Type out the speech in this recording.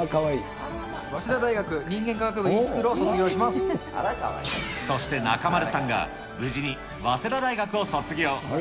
早稲田大学人間科学部ｅスクそして中丸さんが、無事に早稲田大学を卒業。